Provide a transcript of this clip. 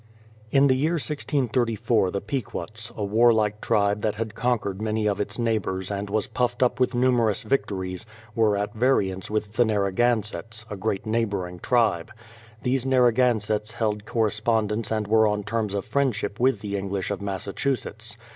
In the year 1634, the Pequots, a warlike tribe that had conquered many of its neighbours and was puffed up with numerous victories, were at variance with the Narra gansetts, a great neighboring tribe. These Narragansetts held correspondence and were on terms of friendship with the English of Massachusetts.